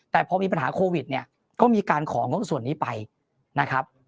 แต่พอมีปัญหาโควิดเนี่ยก็มีการของงบส่วนนี้ไปนะครับ